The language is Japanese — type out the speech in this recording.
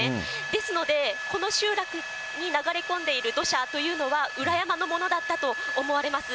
ですので、この集落に流れ込んでいる土砂というのは、裏山のものだったと思われます。